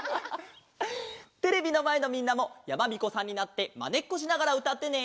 テレビのまえのみんなもやまびこさんになってまねっこしながらうたってね！